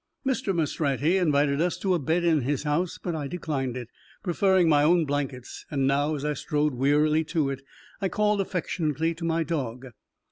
Mr. Maestratti invited us to a bed in his house, but I declined it, preferring my own blankets; and now, as I strode wearily to it, I called affectionately to my dog.